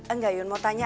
enggak yun mau tanya